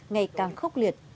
ngày càng khốc liệt